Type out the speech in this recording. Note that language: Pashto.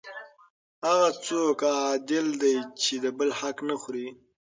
هغه څوک عادل دی چې د بل حق نه خوري.